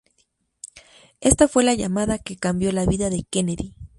Ésta fue la llamada que cambió la vida de Kennedy.